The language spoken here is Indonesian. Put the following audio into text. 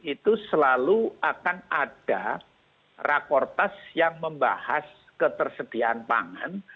itu selalu akan ada rakortas yang membahas ketersediaan pangan